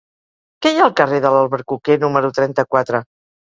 Què hi ha al carrer de l'Albercoquer número trenta-quatre?